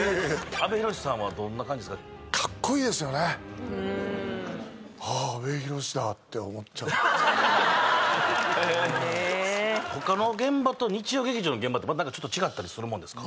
阿部寛さんはどんな感じですか？って思っちゃう他の現場と日曜劇場の現場ってまたちょっと違ったりするもんですか？